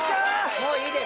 もういいです